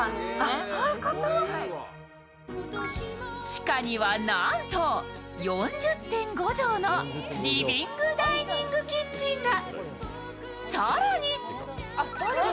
地下にはなんと４０．５畳のリビングダイニングキッチンが。